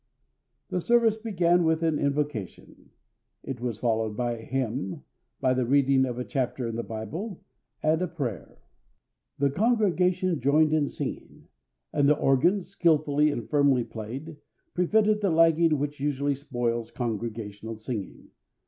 The service began with an invocation. It was followed by a hymn, by the reading of a chapter in the Bible, and a prayer. The congregation joined in singing; and the organ, skilfully and firmly played, prevented the lagging which usually spoils congregational singing.